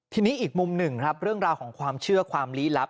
ทีนี้อีกมุมหนึ่งครับเรื่องราวของความเชื่อความลี้ลับ